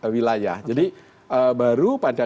wilayah jadi baru pada